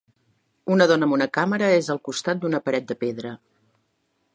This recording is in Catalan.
Una dona amb una càmera és al costat d'una paret de pedra